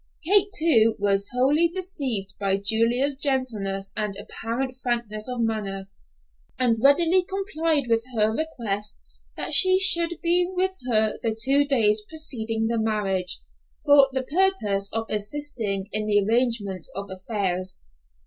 Kate, too, was wholly deceived by Julia's gentleness and apparent frankness of manner, and readily complied with her request that she should be with her the two days preceding the marriage, for the purpose of assisting in the arrangement of affairs.